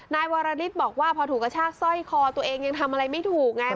นายวรฤทธิ์บอกว่าพอถูกกระชากสร้อยคอตัวเองยังทำอะไรไม่ถูกไง